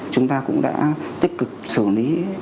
chúng ta cũng đã tích cực xử lý